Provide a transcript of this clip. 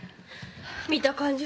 見た感じ